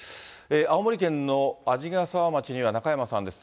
青森県の鰺ヶ沢町には中山さんです。